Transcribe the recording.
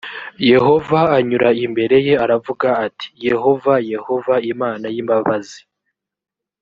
yehova anyura imbere ye aravuga ati “ yehova yehova imana y’imbabazi…”